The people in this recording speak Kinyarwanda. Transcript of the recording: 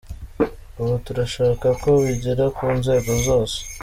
Ubu turashaka ko bigera ku nzego zose.